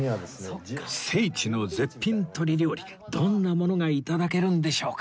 聖地の絶品鶏料理どんなものが頂けるんでしょうか？